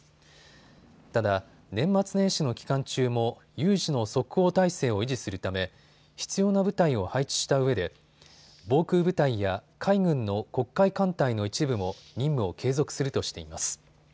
ただ年末年始の期間中も有事の即応態勢を維持するため必要な部隊を配置したうえで防空部隊や海軍の黒海艦隊の一部も任務を継続するとしています。